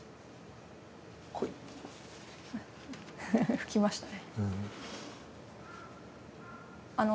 拭きましたね。